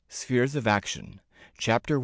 SPHERES OF ACTION. CHAPTER I.